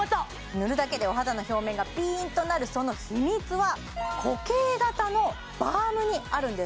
塗るだけでお肌の表面がピーンとなるその秘密は固形型のバームにあるんです